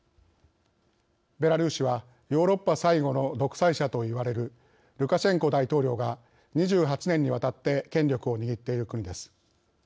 ベラルーシはヨーロッパ最後の独裁者といわれるルカシェンコ大統領が２８年にわたって権力を握っている国です。